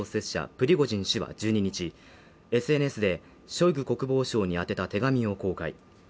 プリゴジン氏は１２日ＳＮＳでショイグ国防相に宛てた手紙を公開。